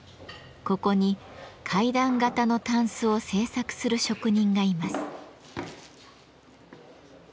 ここに階段型のたんすを制作する職人がいます。